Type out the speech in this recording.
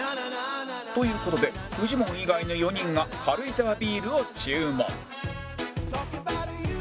という事でフジモン以外の４人が軽井沢ビールを注文